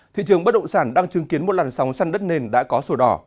thị trường bất động sản đang chứng kiến một làn sóng săn đất nền đã có sổ đỏ